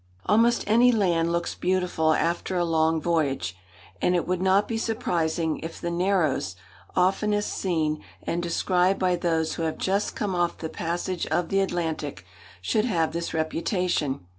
Almost any land looks beautiful after a long voyage; and it would not be surprising if the Narrows, oftenest seen and described by those who have just come off the passage of the Atlantic, should have this reputation.